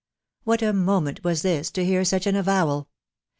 '* What a moment was this to hear such an avowal